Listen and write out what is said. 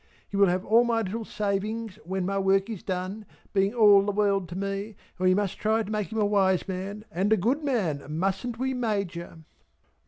He will have all my little savings when my work is done (being all the world to me) and we must try to make him a wise man and a good man, mustn't we Major?"